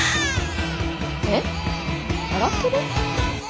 えっ笑ってる？